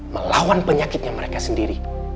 melawan penyakitnya mereka sendiri